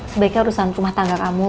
sebaiknya urusan rumah tangga kamu